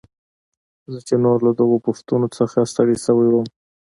زه چې نور له دغو پوښتنو نه ستړی شوی وم.